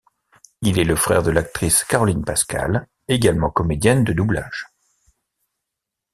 Il est le frère de l'actrice Caroline Pascal, également comédienne de doublage.